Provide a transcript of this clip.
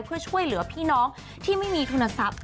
เพื่อช่วยเหลือพี่น้องที่ไม่มีทุนทรัพย์